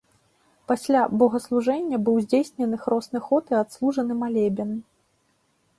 Пасля богаслужэння быў здзейснены хросны ход і адслужаны малебен.